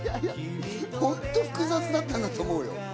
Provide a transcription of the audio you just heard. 本当複雑だったんだと思うよ。